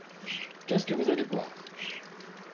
Qu'est-ce que vous allez boire ?